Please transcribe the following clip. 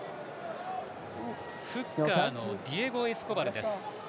フッカーのディエゴ・エスコバル。